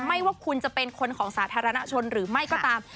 ไม่ว่าคุณจะเป็นคนของสาธารณชนหรือไม่ก็ตาม